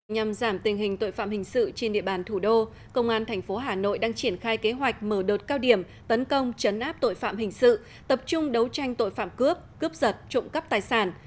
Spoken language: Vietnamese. nhằm giảm tình hình tội phạm hình sự trên địa bàn thủ đô công an tp hà nội đang triển khai kế hoạch mở đợt cao điểm tấn công chấn áp tội phạm hình sự tập trung đấu tranh tội phạm cướp cướp giật trộm cắp tài sản